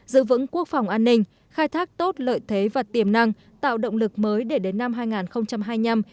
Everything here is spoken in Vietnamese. giữ vững quốc phòng an ninh khai thác tốt lợi thế và tiềm năng tạo động lực mới để đến năm hai nghìn hai mươi năm